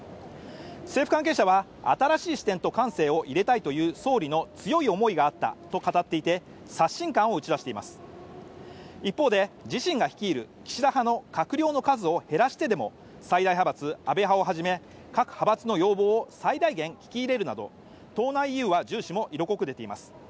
政府関係者は新しい視点と感性を入れたいという総理の強い思いがあったと語っていて刷新感を打ち出しています一方で自身が率いる岸田派の閣僚の数を減らしてでも最大派閥・安倍派をはじめ各派閥の要望を最大限聞き入れるなど党内融和重視も色濃く出ています